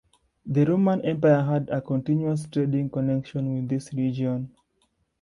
The Roman empire had a continuous trading connection with this region.